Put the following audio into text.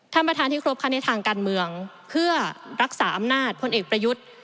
ท่านประธานที่ครบค่ะในทางการเมืองเพื่อรักษาอำนาจพลเอกประยุทธ์